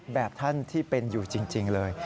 แบบท่านที่เป็นอยู่จริงเลย